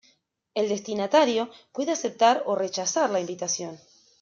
El "destinatario" puede aceptar o rechazar la invitación.